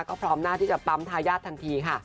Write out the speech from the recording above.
ก็พร้อมหน้าที่จะปั๊มทายาททันทีค่ะ